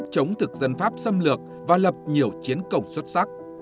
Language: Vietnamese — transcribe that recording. chống thực dân pháp xâm lược và lập nhiều chiến công xuất sắc